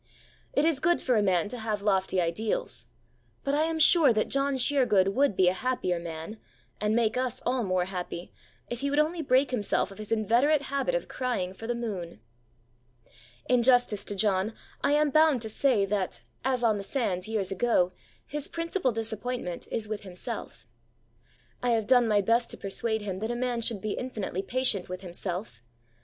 It is good for a man to have lofty ideals; but I am sure that John Sheergood would be a happier man, and make us all more happy, if he would only break himself of his inveterate habit of crying for the moon. In justice to John I am bound to say that, as on the sands years ago, his principal disappointment is with himself. I have done my best to persuade him that a man should be infinitely patient with himself.